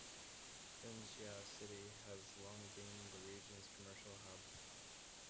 Linxia City has long been the region's commercial hub.